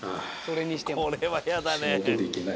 これはやだね。